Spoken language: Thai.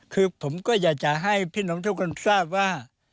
คือผมก็อยากจะให้พี่น้องทุกคนทราบว่า